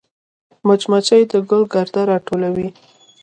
مچمچۍ د ګل ګرده راټولوي